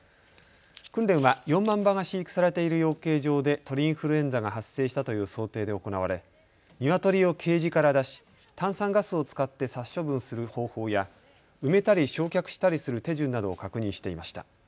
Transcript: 訓練は４万羽が飼育されている養鶏場で鳥インフルエンザが発生したという想定で行われニワトリをケージから出し炭酸ガスを使って殺処分する方法や埋めたり焼却したりする手順などを確認していました。